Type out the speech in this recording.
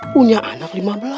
punya anak lima belas